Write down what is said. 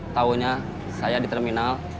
taunya saya di terminal